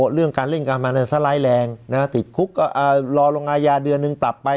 เรื่องการเล่นการพนันสลายแรงนะฮะติดคุกอ่ารอลงงานยาเดือนหนึ่งตับไป